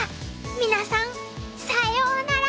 皆さんさようなら！